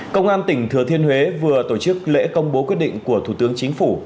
công an tỉnh thừa thiên huế vừa tổ chức lễ công bố quyết định của thủ tướng chính phủ